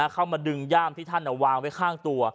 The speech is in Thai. เข้ามาดึงย่ามที่ท่านวางไว้ข้างตัว